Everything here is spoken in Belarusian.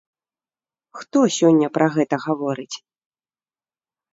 Хто сёння пра гэта гаворыць?